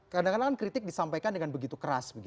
kadang kadang kan kritik disampaikan dengan begitu keras